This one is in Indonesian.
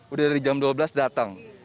udah dari jam dua belas datang